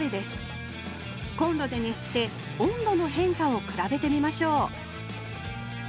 コンロで熱して温度の変化を比べてみましょう